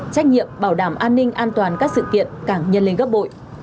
trách nhiệm bảo đảm an ninh an toàn các sự kiện càng nhân lên gấp bội